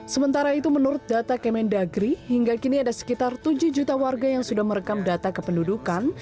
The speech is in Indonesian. sementara itu menurut data kemendagri hingga kini ada sekitar tujuh juta warga yang sudah merekam data kependudukan